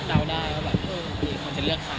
้าว่าจะเลือกใคร